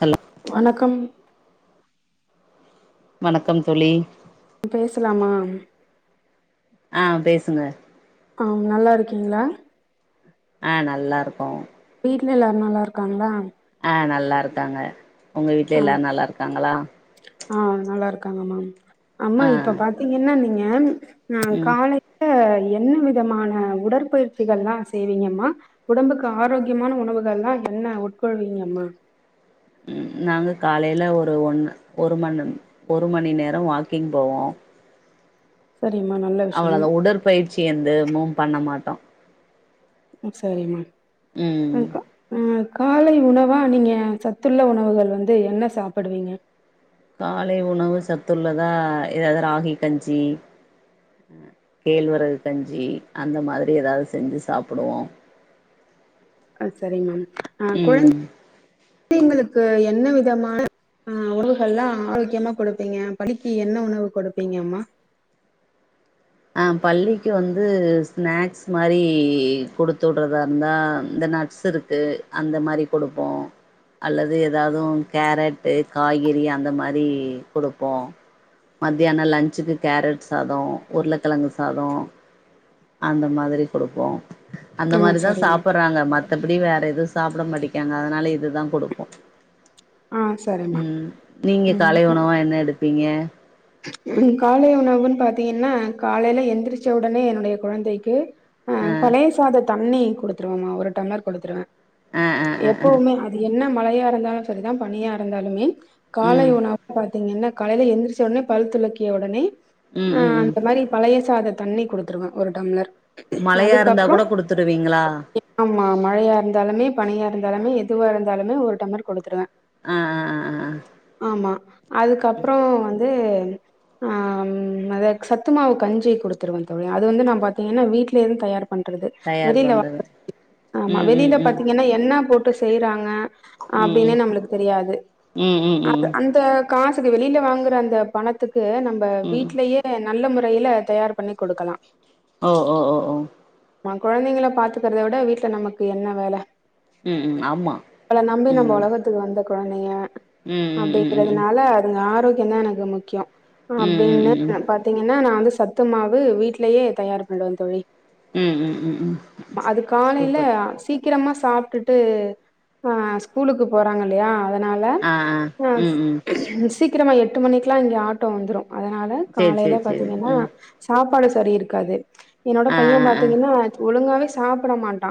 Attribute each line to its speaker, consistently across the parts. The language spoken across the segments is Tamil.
Speaker 1: ஹலோ
Speaker 2: வணக்கம்
Speaker 1: வணக்கம் தோழி
Speaker 2: பேசலாமா
Speaker 1: ஆஹ் பேசுங்க
Speaker 2: ஆம் நல்லா இருக்கீங்களா
Speaker 1: ஆஹ் நல்லா இருக்கோம்
Speaker 2: வீட்டில் எல்லாரும் நல்லாருக்காங்களா
Speaker 1: நல்லாருக்காங்க உங்க வீட்ல
Speaker 2: ஆ
Speaker 1: எல்லாரும் நல்லாருக்காங்களா
Speaker 2: ருக்காங்க மேம் அம்மா இப்ப பாத்தீங்கன்னா நீங்க ஆன் ஆஹ
Speaker 1: ம்
Speaker 2: காலைல என்ன விதமான உடற்பயிற்சிகள்ல்லாம் செய்வீங்கம்மா உடம்புக்கு ஆரோக்யமான உணவுகள்ல்லாம் என்ன உட்கொள்வீங்கம்மா
Speaker 1: உம் நாங்க காலையில ஒரு ஒண்ணு ஒரு மண ஒரு மணி நேரம் வாக்கிங் போவோம்
Speaker 2: சரிம்மா நல்ல விஷயம்
Speaker 1: அவ்வளோதான் உடற்பயிற்சி வந்து எதுவும் பண்ண மாட்டோம்
Speaker 2: ஓ சரிமா
Speaker 1: ம்
Speaker 2: வணக்கம் காலை உணவா நீங்க சத்துள்ள உணவுகள் வந்து என்ன சாப்பிற்றிங்க
Speaker 1: காலை உணவு சத்துல்லதா ஏதாவது ராகி கஞ்சி கேழ்வரகு கஞ்சி அந்த மாதிரி ஏதாவது செஞ்சு சாப்பிடுவோம்
Speaker 2: ஆ சரிங்க மேம் ஆஹ்
Speaker 1: ம்
Speaker 2: கொழுந்தைங்க என்ன விதமான ஆஹ் உணவுகளெல்லாம் ஆரோக்கியமா குடுப்பீங்க இப்பதிக்கு என்ன உணவு கொடுப்பீங்கம்மா
Speaker 1: பள்ளிக்கு வந்து சிநாக்ஸ் மாரி குடுத்துர்ரதா இருந்தால் இந்த நட்ஸ் இருக்குது அந்த மாதிரி குடுப்போம் அல்லது எதாவது கேரட்டு காய்கறி அந்த மாதிரி குடுப்போம் மத்தியானம் லன்ச்சுக்கு கேரட் சாதம் உருளைக்கிழங்கு சாதம் அந்த மாதிரி குடுப்போம் அந்த
Speaker 2: ஆ
Speaker 1: மாரிதான்
Speaker 2: சரிம்மா
Speaker 1: சாப்பிடுறாங்க மத்தபடி வேற எதுவும் சாப்பிட மாட்டிக்காங்க அதனால இது தான் குடுப்போம்
Speaker 2: ஆ சரிம்மா
Speaker 1: ம் நீங்க காலை உணவா என்ன எடுப்பீங்க
Speaker 2: உ காலை உணவுன்னு பாத்தீங்கன்னா காலைல எந்திரிச்ச உடனே என்னுடைய கொழந்தைக்கு ஆஹ் பழைய சாத தண்ணி குடுத்துருவமா ஒரு டம்ளர் குடுத்துருவேன்
Speaker 1: ஆ ஆ ஆ ஆ
Speaker 2: எப்பவுமே அத என்ன மழையா இருந்தாலு சரிதா பனியா இருந்தாலுமே காலை
Speaker 1: ம்
Speaker 2: உணவு பாத் தீங்கன்னா காலைல எந்திரிச்சோனே பல் துலக்கிய ஒடனே
Speaker 1: ம்
Speaker 2: அ
Speaker 1: ம் ம்
Speaker 2: அந்த மாரி பழைய சாத தண்ணி குடுத்துருவே ஒரு டம்ளர்
Speaker 1: மழையா இருந்தாகூட குடுத்துருவிங்களா
Speaker 2: மா மழையா இருந்தாலுமே பனியா இருந்தாலுமே எதுவா இருந்தாலுமே ஒரு டம்ளர் குடுத்துருவே
Speaker 1: ஆ ஆ ஆ ஆ
Speaker 2: ஆமா அதுக்கப்றோ வந் து ஆ ம் அத சத்து மாவு கஞ்சி குடுத்துருவே தோழி அது வந்து நா பாத்தீங்கன்னா வீட்லேய தயார் பண்ண பண்றது
Speaker 1: தயார்
Speaker 2: வெளில
Speaker 1: பண்றது
Speaker 2: ஆமா
Speaker 1: ம் ம்
Speaker 2: வெளில
Speaker 1: ம்
Speaker 2: பாத்தீங்கன்னா என்னா போ ட்டு செய்றாங்க
Speaker 1: ம்
Speaker 2: அப்டின்னே நம்ளுக்கு தெரியாது
Speaker 1: ம் ம்
Speaker 2: அ
Speaker 1: ம்
Speaker 2: அந்த காசுக்கு வெளில வாங்குற அந்த பணத் இங்கு நம்ப
Speaker 1: ம்
Speaker 2: வீட்லயே என் நல்ல முறையில தயார் பண்ணி குடுக்கலா
Speaker 1: ஓ ஓ ஓ ஓ
Speaker 2: ஆ கொழந்தைங்கள பாத்துக்கிற்த விட வீட்ல நமக்கு என்ன வேல
Speaker 1: ம் ம் ஆமா
Speaker 2: நம்மள நம்பி
Speaker 1: ம்
Speaker 2: நம்ப
Speaker 1: ம்
Speaker 2: ஒலகத்துக்கு வந்த கொழந்தைங்க
Speaker 1: ம் ம் ம் ம்
Speaker 2: அப்டிங்கறதுனால அதுங்க ஆரோக் கியோ தா எனக்கு முக்கியோ அப்றோ
Speaker 1: ம் ம்
Speaker 2: அப்டீனு
Speaker 1: ம் ம்
Speaker 2: பாத்தீங்கன் ஏன்னா நா வந்து சத்து மாவு வீட்லேயே தயார் பண்ணுவே தோழி
Speaker 1: ம் ம் ம் ம்
Speaker 2: அ அது காலையில
Speaker 1: சூப்பர்
Speaker 2: சீக்கிரமா சாப்ட்டுட்டு அ ஸ்கூலுக்கு போறாங்கல்லயா அத னால
Speaker 1: ஆ
Speaker 2: ஆ
Speaker 1: ம் ம்
Speaker 2: [inaudible] சீக்கிரமா எட்டு மணிக்லா இங்க ஆ ட்டோ வந்துரோ அதனால
Speaker 1: சேரி
Speaker 2: காலையில
Speaker 1: சேரி சேரி
Speaker 2: பாத்தீங்கன்னா
Speaker 1: ம்
Speaker 2: சாப் பாடு சரி இருக்காது என்னோட
Speaker 1: ஆ
Speaker 2: பையே
Speaker 1: ஆ ஆ
Speaker 2: பாத்தீங்கன்னா ஒழுங்காவே சாப்ட மாட்டா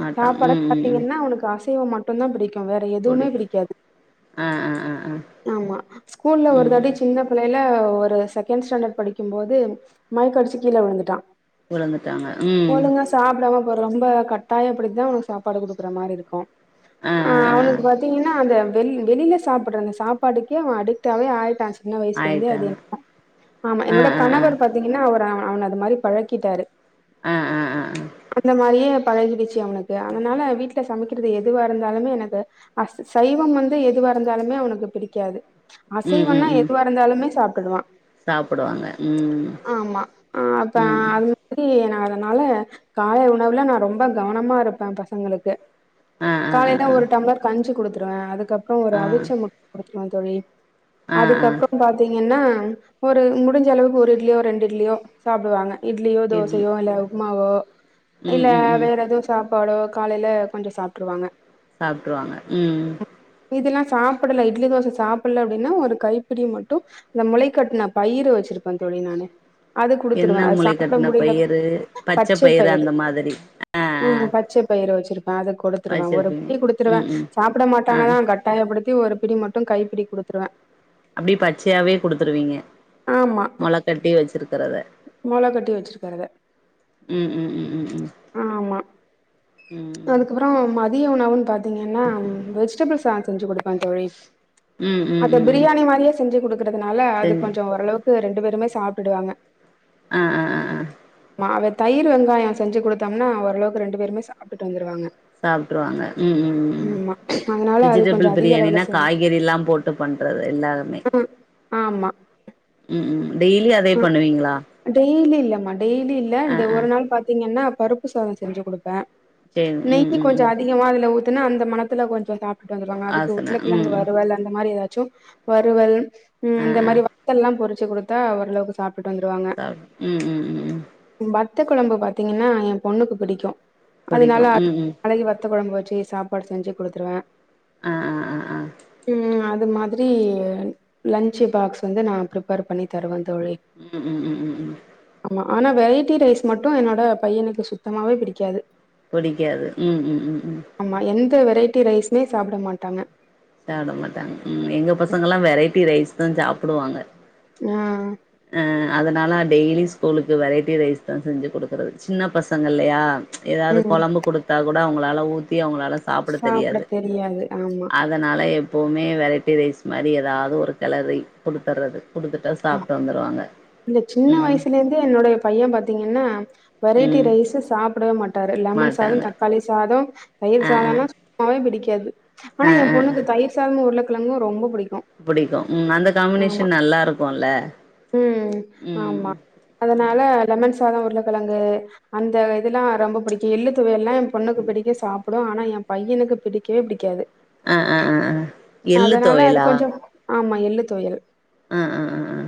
Speaker 1: மாட்டான்
Speaker 2: சாப்பாட
Speaker 1: ம் ம் ம்
Speaker 2: பாத்தீங்கன்னா அவனுக்கு அச அசைவம் மட்டுந்தா பிடிக்கு வேற எதுவுமே
Speaker 1: புடிக்கு
Speaker 2: பிடிக்காது
Speaker 1: ஆ ஆ ஆ ஆ
Speaker 2: ஆமா ஸ்கூல்ல ஒரு
Speaker 1: ம்
Speaker 2: தடி சின்ன ல ஒரு செகண்ட் ஸ்டேண்டர்ட் படிக்கும் போது மைக்கடுச்சி கீழ விழுந்துட்டா
Speaker 1: உழுந்துட்டாங்க ம்
Speaker 2: ப்ப ரொம்ப கட்டாய படித்திதா அவனுக்கு சாப்பாடு குடுக்குற மாரி இருக்கு
Speaker 1: ஆ
Speaker 2: அ
Speaker 1: ஆ ஆ ஆ
Speaker 2: அவனுக்கு பாத்தீங்கன்னா அத வெளி வெளியில சாப்புடுற அந்த சாப்பாட்டுக்கே அவ அடிக்டாவே ஆயிட்டா சின்ன புள்ள சென்ச்சி அது
Speaker 1: ஆயிட்டாங்க
Speaker 2: என்ன ஆமா
Speaker 1: ஆ
Speaker 2: என்னோட
Speaker 1: ஆ ஆ
Speaker 2: கணவர் பாத்தீங்கன்னா அவரு அவ அவன அது மாரி பழக்கிட்டாரு
Speaker 1: ஆ ஆ ஆ ஆ
Speaker 2: அந்த மாரியே பழகி போச் சு அவனுக்கு அதனால வீட்ல சமைக் க்கிறது எதுவா இருந்தாலுமே எனக்கு அசு சைவம் வந்து எதுவா இருந்தாலுமே அவனுக்கு பிடிக்காது
Speaker 1: ம் ம்
Speaker 2: அசைவன்னா
Speaker 1: ம்
Speaker 2: எதுவா எல்லமே சாப்டுட்டுவா
Speaker 1: சாப்புடுவாங்க ம்
Speaker 2: ஆமா அ அப்ப அதா
Speaker 1: ம்
Speaker 2: அது மேரி ந அதனால காலை உணவுல நா ரொம்ப கவனமாருப்பே பசங்களுக்கு
Speaker 1: ஆ ஆ ஆ
Speaker 2: காலையில
Speaker 1: ஆ
Speaker 2: ஒரு டம்ளர் கஞ்சு குடுத்துருவே அதுக்கு க்கு அப்புறோ ஒரு
Speaker 1: ஆ
Speaker 2: அவிச்ச முட் கொடுத் ஆஹ் தோழி
Speaker 1: ஆ ஆ
Speaker 2: அதுக்கப்புறோ த்தீங்கனா ஒரு முடிஞ்ச அளவுக்கு ஒரு இட்லியோ ரெண்டு இட்லியோ சாப்புடுவாங்க இட்லியோ
Speaker 1: இட்லி
Speaker 2: தோசையோ இல்ல உப்மாவோ
Speaker 1: ம்
Speaker 2: இல்ல
Speaker 1: ம் ம்
Speaker 2: வேற எதுவு சாப் ப்பாடோ காலையில கொஞ்சோ சாப்ட்ருவாங்க
Speaker 1: சாப்ட்ருவாங்க உம்
Speaker 2: இதுல்லா சாப்பிடல இட்லி தோச சாப்பாடல அப்டின்னா ஒரு கைப்பிடி மட் ட்டு இந்த முளைக்கட்டுனா பயிர வச்சிருப்பேன் தோழி நானு அது
Speaker 1: என்ன
Speaker 2: குடுத்துருவே அது
Speaker 1: முளை
Speaker 2: சாப்புட
Speaker 1: கட்டின
Speaker 2: முடியல
Speaker 1: பயிறு பச்ச
Speaker 2: பச்சை
Speaker 1: பயிறு
Speaker 2: பயுரு
Speaker 1: அந்த மாதிரி ஆ ஆ
Speaker 2: ஆஹ் பச்சை பயிரு வெச்சிரு அத குடுத்துருவே ஒரு
Speaker 1: வச்சிருப்பீங்க
Speaker 2: பிடி குடுத்துருவே
Speaker 1: ம் ம்
Speaker 2: சாப்புட
Speaker 1: ஆ
Speaker 2: மாட்டாங்கதா கட்டாயப்படுத்தி ஒரு பிடி மட்டு கைப்பிடி குடுத்துருவே
Speaker 1: அப்டி ப ச்சயாவே குடுத்துருவீங்க
Speaker 2: ஆமா
Speaker 1: மொளக்கட்டி வெச்சிருக்கறத
Speaker 2: மொள கட்டி வச்சிருக்கறத
Speaker 1: உம் உம் உம் உம்
Speaker 2: ஆமா
Speaker 1: உம்
Speaker 2: தியோ உணவுன் பாத்தீங்கன்னா வெஜிடபிள்ஸ் அ செஞ்சு குடுப் ஆஹ் தோழி
Speaker 1: ம் ம்
Speaker 2: அத
Speaker 1: ம் ம்
Speaker 2: பிரியாணி மாரியே செஞ்சு குடு ன்றதனால அது
Speaker 1: செரி
Speaker 2: கொஞ்சோ ஒரளவு ட்டு ரெண்டு பேருமே சாப்ட்டுடுவாங்க
Speaker 1: அ அ அ அ
Speaker 2: அவ தயிர் வெங்காயோ செஞ்சு குடுத்தம்னா ஒரளவுக்கு ரெண்டு பேருமே சாப்டுட்டு வந்துருவாங்க
Speaker 1: சாப்ட்டுருவாங்க உம் உம் உம்
Speaker 2: ஆமா அதனால அது கொஞ்சோ
Speaker 1: வெஜிடபிள்
Speaker 2: அதிக அளவுல
Speaker 1: பிரியாணினா
Speaker 2: செய்வே
Speaker 1: காய்கறி எல்லாம் போட்டு பண்றது எல்லாமே
Speaker 2: ஆமா
Speaker 1: உம் உம் டெய்லி அதே பண்ணுவீங்ளா
Speaker 2: லெமன் டெய்லி இல்ல த ஒரு நாள் பாத்தீங்கன்னா பருப்பு சாதோ செஞ்சு குடுப்பே
Speaker 1: சரி ம்
Speaker 2: நெய்க்கு
Speaker 1: ம்
Speaker 2: கொஞ்ச
Speaker 1: ம்
Speaker 2: அதிகமா அதுல ஊ த்துனா அந்த மணத்துல கொஞ்சோ சா ட்டு வந்துருவாங்க அதுக்கு
Speaker 1: ஆசன ம்
Speaker 2: உருளகிழங்கு
Speaker 1: ம்
Speaker 2: வருவல் அந்த மாரி எதா ச்சு வறுவல் உம்
Speaker 1: ஆ
Speaker 2: அந்த
Speaker 1: ஆ
Speaker 2: மாரி வத்தல்லா பொரு ச்சு குடுத்தா ஒ ரளவுக்கு சா
Speaker 1: சாப் உம் உம் உம் உம்
Speaker 2: த்த கொழம்பு பாத்தீங்கன்னா எ பொண்ணுக்கு பிடிக்கு அதனால
Speaker 1: புடிக்கு ம் ம்
Speaker 2: [inaudible] வத்த கொழம்பு வெ ச்சி சாப்பாடு செஞ்சி குடுத்துருவே
Speaker 1: ஆ ஆ ஆ ஆ
Speaker 2: உம் அ அது மாதிரி லன்ச் பாக்ஸ் வந்து நா ப்ரிப்பேர் பண்ணி தருவே தோழி
Speaker 1: உம் உம் உம் உம் உம்
Speaker 2: ஆமா ஆனா வெரைட்டி ரைஸ் மட்டு என்னோட பையனுக்கு சுத்தமாவே பிடிக்காது
Speaker 1: பிடிக்காது உம் உம் உம் உம்
Speaker 2: த்த வெரைட்டி ரைஸ்மே சாப்ட மாட்டாங்க
Speaker 1: கட்டி ரைஸ் தா சாப்டுவாங்க
Speaker 2: அ
Speaker 1: அஹ் அதுனால டெய்லி ஸ்கூலுக்கு வெரைட்டி ரைஸ் தா செஞ்சு குடுக்கறது சின்ன பசங்க இல்லையா எதாவ்து
Speaker 2: ம்
Speaker 1: கொழம்பு குடுத்தா கூட அவுங்க நல்ல ஊத்தி அவங்க வேல சாப்ட தெரியாது
Speaker 2: தெரியாது ஆமா
Speaker 1: அதனால எப்பவுமே வெரைட்டி ரைஸ் மாதிரி ஏதாவது ஒரு கிளரி குடுத்துறது குடுத்துட்டா சாப்
Speaker 2: இந்த சின்ன வயசுல இருந்து என்னுடைய பையன் பாத்தீங்கன்னா வெரைட்டி
Speaker 1: ம்
Speaker 2: ரைஸ் சாப்டவே மா டாரு லெமன் சாதம்
Speaker 1: மாட்டாங்க
Speaker 2: தக்காளி சாதம் தயிர்
Speaker 1: ஆ ஆ
Speaker 2: சாதனா [inaudible] பிடிக்காது ஆனா
Speaker 1: ஆ
Speaker 2: என்
Speaker 1: ஆ ஆ
Speaker 2: பொண்ணுக்கு தயிர் சாதமு உர்ளக் கிலங்கு ரொம்ப புடிக்
Speaker 1: புடிக்கு ம் அந்த காமினேஷன் நல்லா இருக்குல்ல
Speaker 2: ம் ஆமா
Speaker 1: ம்
Speaker 2: அதனால லெமன்ஸ் சாத உருளக்கழங்கு அந்த இதுலா ரொம்ப பிடிக்கு எள்ளு துவையல்லா எ பொண்ணுக்கு பிடிக்கு சாப்டு ஆனா எ பையனுக்கு பிடிக்கவே பிடிக்காது
Speaker 1: அ அ அ அ எள்ளு
Speaker 2: அதனால அது
Speaker 1: தொவையலா
Speaker 2: கொஞ்சோ ஆமா எள்ளு தொவ்யல்
Speaker 1: அ அ அ அ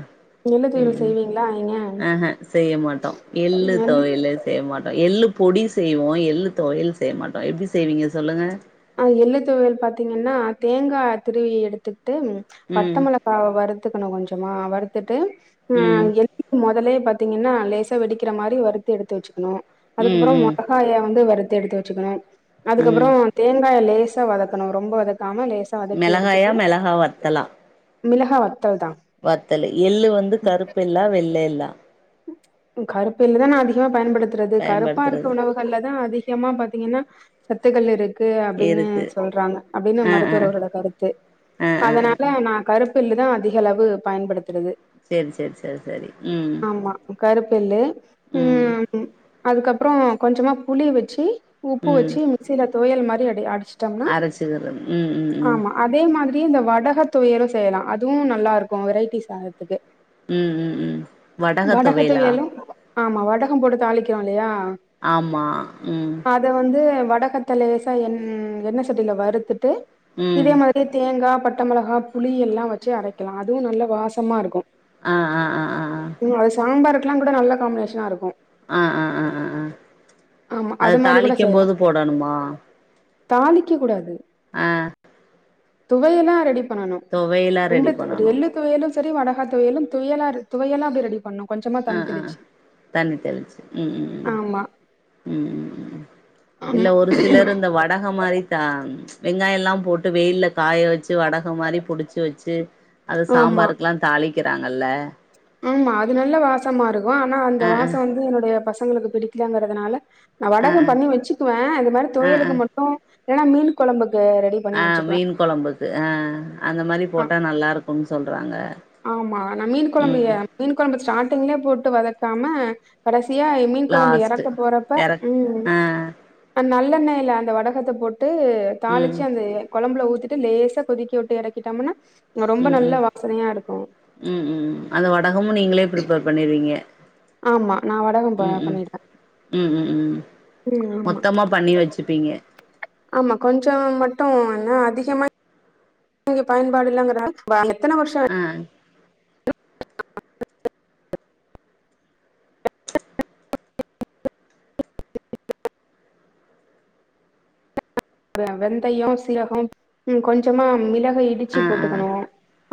Speaker 1: ம்
Speaker 2: செய்வீங்களா நீங்க
Speaker 1: அ ஹ செய்ய மாட்டோ எள்ளு தொவையல செய்ய மாட்டோ எள்ளு பொடி செய்வோ எள்ளு தொவையல் செய்ய மாட்டோ எப்டி செய்வீங்க சொல்லுங்க
Speaker 2: அ எள்ளு தொவையல் பாத்தீங்கன்னா தேங்கா துருவி எடுத்து
Speaker 1: ம்
Speaker 2: பட்டமொளகா வரதுக்குணு கொஞ்சு டுமா வருத்துட்டு நா
Speaker 1: ம்
Speaker 2: [inaudible] மொதலே பாத்தீங்கனா லேசா வெடிக்கிற மாரி வறுத்து எடுத்து வச்சுக்ணு
Speaker 1: ம்
Speaker 2: அதுக்கப்றோ
Speaker 1: ம்
Speaker 2: மொளகாய வந்து வறு த்து எடுத்து வச்சுக்ணு
Speaker 1: ம்
Speaker 2: அதுக்கப்பறோ வெங்காய லேசா வதக்கனு ரொம்ப வதக்
Speaker 1: மிளகாயா மெளகாவத்தலா
Speaker 2: மிளகா வ
Speaker 1: வத்தலு எள்ளு வந்து கருப்பு எள்ளா வெள்ள எள்ளா
Speaker 2: கருப்பு எள்ளுதா நா அதிகமா பயன்படுத் [unintelligible] கருப்பா இருக்க
Speaker 1: பயன்படுத்துறது
Speaker 2: உணவுகள்ல தா அதிகமா ப பாத்திங்கன்னா சத்துக்கள் இருக் கு அப்டின்னு
Speaker 1: இருக்கு
Speaker 2: சொல்றாங்க அப்டின்னு
Speaker 1: ஆ ஆ
Speaker 2: மருத்துவர்களோட கருத்து
Speaker 1: ஆ ஆ ஆ
Speaker 2: அதனால நா கருப்பு ல்லு தா அதிக அளவு பயன்படுத்துறது
Speaker 1: சேரி செரி செரி செரி ம் ம்
Speaker 2: கருப்பு எள்ளு ம் அதுக்கப்றோ கொஞ்சமா புளி வச்சி உப்பு
Speaker 1: ம்
Speaker 2: வச்சி மிக்சில தொவையல் மாரி அப்டி அடி அடிச்சிட்டோம்னா
Speaker 1: அரச்சிக்கிறது ம் ம் ம்
Speaker 2: ப்டி அந்த வடக துயலு செய்யலா அதுவு நல்லா இருக்கு வெரைட்டி சாதத்துக்கு
Speaker 1: ம் ம் ம்
Speaker 2: வடக தொவியலு ஆமா வடகம் போட்டு தாளிக்கிறோயில்லையா
Speaker 1: ஆமா ம்
Speaker 2: வடகத்த லேசா எண் எண்ணெய் சட்டியில வறுத்துட்டு
Speaker 1: ம்
Speaker 2: இதே மாதிரி தேங்கா பட்ட மொளகா புளி எல்லா வச்சு அரைக்கலா அதுவு நல்ல வாசமாக இருக்கு
Speaker 1: ஆ ஆ ஆ ஆ
Speaker 2: ம் அது சாம்பாருக் கெல்லா கூட நல்ல காம்பினேஷனா இருக்கு
Speaker 1: ஆ ஆ ஆ ஆ ஆ
Speaker 2: ஆமா
Speaker 1: அத
Speaker 2: அது மாரி கூட
Speaker 1: தாளிக்கும்
Speaker 2: செய்யலாம்
Speaker 1: போது போடணுமா
Speaker 2: தாளிக்க கூடாது
Speaker 1: ஆ
Speaker 2: துவையலா ரெடிப் பண்ணணு
Speaker 1: ரெடி
Speaker 2: [unintelligible]
Speaker 1: பண்ணணு
Speaker 2: எள்ளு தொவையலு பெறி வடகா துவையலு துயலரு துவயலா த ரெடி பண்ணணு
Speaker 1: ஆ ஆ ஆ தண்ணி தெளிச்சு ம் ம் ம் ம்
Speaker 2: ஆமா
Speaker 1: ம் ம் ம் ம் இல்ல
Speaker 2: ஆமா
Speaker 1: ஒரு சிலரு இந்த வடகமாரி தா வெங்காயெல்லா போட்டு வெயில்ல காய வச்சு ச்சி வடக மாரி புடிச்சு வச்சு அத
Speaker 2: ஆமா
Speaker 1: சாம்பாருக்குல்லா தாளிக்கிறாங்க நல்ல
Speaker 2: ஆமா அது நல்ல வாசமா இருக் கு ஆனா அந்த
Speaker 1: ஆ ஆ
Speaker 2: வாச வந்து என்னுடைய பச பசங்களுக்கு பிடிக்கலாங்கறதுனால நா
Speaker 1: ஆ
Speaker 2: வடகம் பண்ணி
Speaker 1: ஆ
Speaker 2: வச்சுக்குவே இது மாரி
Speaker 1: ஆ ஆ
Speaker 2: துவயலுக்கு மட்டு இல்லனா மீன் கொழம்புக்
Speaker 1: ஆ மீன் கொழம்புக்கு ஆ அந்த மாரிப்
Speaker 2: ஆ
Speaker 1: போட்டா நல்லாருக்குன் சொல்றாங்க ங்க
Speaker 2: ஆமா நா மீன் கொழம்பு ய மீன் கொழம்பு ஸ்டாட் ட்டுமே போட்டு வதக்காம கடைசி சியா மீன் கொழம்பு
Speaker 1: லாஸ்ட்டு
Speaker 2: எறக்க போறப்ப
Speaker 1: எறக்
Speaker 2: ம்
Speaker 1: ஆ
Speaker 2: நல்லெண்ணய்ல அந்த வடகத்த போட்டு ட்டு
Speaker 1: ம்
Speaker 2: தாளிச்சு அந்த கொழும்புல ஊத்திட் ட்டு லேசா கொதிக்க வுட்டு எறக்கிட்டம்னா மா ரொம்ப
Speaker 1: ம்
Speaker 2: நல்ல வாசனையா இருக்
Speaker 1: ம் ம் ம் அது வடகமு நீங்ளே ப்ரிப்பர் பண்ணிருவீங்க
Speaker 2: ஆமா நா வடகம் ப
Speaker 1: ம் ம்
Speaker 2: பண்ணிடுவே
Speaker 1: ம் ம் ம்
Speaker 2: ம் ஆமா
Speaker 1: மொத்தமா பண்ணி வச்சுப்பீங்க
Speaker 2: ஆமா கொஞ்சோ மட்டு எண்ண அதிகமா நீங்க பயன்பாடு [unintelligible] வாலே
Speaker 1: ஆ
Speaker 2: வெந்தயம் சீரகம் ம் கொஞ்சமா மிளக் இடிச்சு
Speaker 1: ஆ ஆ
Speaker 2: போட்டுக்குணு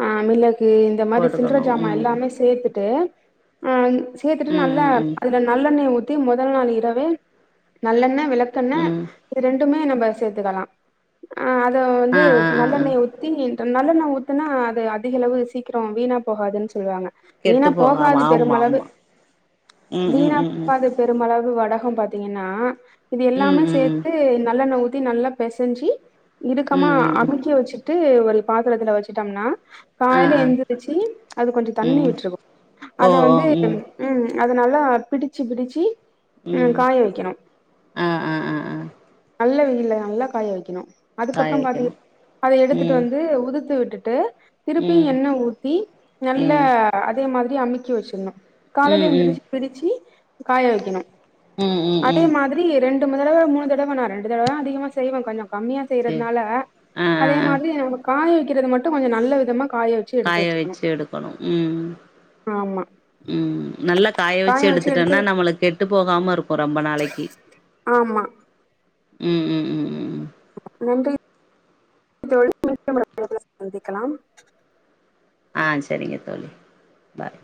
Speaker 2: ஆ அம்மிலே இந்த மாரி சில்லற
Speaker 1: போட்டுக்கணு
Speaker 2: ஜாமா
Speaker 1: ம்
Speaker 2: எல்லாமே சேத்துட்டு ஆ சேத்துட்டு
Speaker 1: ம்
Speaker 2: நல்லா
Speaker 1: ம் ம்
Speaker 2: அதுல நல்லெண்ணெய் ஊத் தி முதல் நாள் இரவே நல்லெண்ண விளக்கெண்ண
Speaker 1: ம்
Speaker 2: இது ரெண்டுமே நம் சேத்துக்கலா ஆ அத வந்து
Speaker 1: ஆ ஆ ஆ ஆ
Speaker 2: நல்லெண்ணெய ஊத்தி நல்லண்ண ஊத்துனா அது அதிக அளவு சீக்ரோ வீணா போகாதுன் சொல்வாங்க
Speaker 1: கெட்டு
Speaker 2: வீணா
Speaker 1: போகாம
Speaker 2: போகாது
Speaker 1: ஆமா
Speaker 2: பெருமளவு
Speaker 1: ஆமா ம் ம்
Speaker 2: வீணா
Speaker 1: ம் ம்
Speaker 2: [unintelligible] பெருமளவு வ டகம் பாத்திங்கனா இது
Speaker 1: ம்
Speaker 2: எல்லாமே
Speaker 1: ம் ம் ம்
Speaker 2: சேத்து நல்லெண்ண ஊத் தி நல்லா பெசஞ்சி இருக்கமா
Speaker 1: ம் ம்
Speaker 2: அமிக்கி வச்சுட் ட்டு ஒரு பாத்துரத்துல வச்சிட்டம்னா
Speaker 1: ஆ
Speaker 2: காலைல
Speaker 1: ஆ
Speaker 2: எந்திரிச்சு அது கொஞ்ஜொ தண்ணி
Speaker 1: ம்
Speaker 2: விட்ருவொ
Speaker 1: ஓ
Speaker 2: அத
Speaker 1: ஓ
Speaker 2: வந்து
Speaker 1: ம்
Speaker 2: உம் அதனல்லா பிடிச்சி பிடிச்சி உம்
Speaker 1: ம்
Speaker 2: காய வைக்கணு
Speaker 1: ஆ ஆ ஆ ஆ
Speaker 2: நல்ல வெ ல்ல நல்லா காய வைக்கணு
Speaker 1: காய
Speaker 2: அதுக்கப்றொ பாத்திங்க
Speaker 1: வைக்கணு
Speaker 2: அத எடுத்துட்டு
Speaker 1: ம்
Speaker 2: வந்து உதுத்து விட்டுட் டு திருப்பி
Speaker 1: ம்
Speaker 2: எண்ணெ ஊத்தி
Speaker 1: ம்
Speaker 2: நல்ல
Speaker 1: ம்
Speaker 2: அதே மாதிர் தி அமிக்கி வச்சிர்னு காலையில
Speaker 1: ம்
Speaker 2: எந்திரிச் பிரிச்சி காய வைக்கணு
Speaker 1: ம் ம்
Speaker 2: அதே
Speaker 1: ம்
Speaker 2: மாதிரி ரெண் டும் தடவ மூணு தடவ நா ரெண்டு தடவ தா அதிகமா செய்வே கொஞ்ஜொ கம்மியா
Speaker 1: சேரி
Speaker 2: செய்றதுனால
Speaker 1: ஆ ஆ
Speaker 2: அதே
Speaker 1: ஆ
Speaker 2: மாதிரி நம்ம காய கிறது மட்டு கொஞ்ஜொ நல்ல விதமா காய வச்சு எடுத்து
Speaker 1: காய
Speaker 2: வச்சுக்கணு
Speaker 1: வச்சு எடுக்கணு உம்
Speaker 2: ஆமா
Speaker 1: உம் நல்லா காய வச்சு எடுத்துட்டனா நம்மளுக் கெட்டு போகாமருக் கு ரொம்ப நாளைக்கி
Speaker 2: ஆமா
Speaker 1: உம் உம் உம் உம் உம்
Speaker 2: நன்றி தோழி மீண்டும் [unintelligible] சந்திக்கலாம்
Speaker 1: ஆஹ் சரிங்க தோழி பாய்